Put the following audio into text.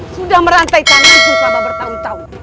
sudah merantai tanganku sama bertahun tahun